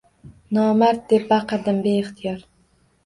“Nomard!” deb baqirdim beixtiyor.